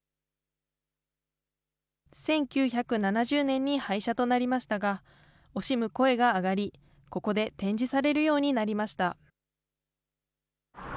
１９７０年に廃車となりましたが、惜しむ声が上がり、ここで展示されるようになりました。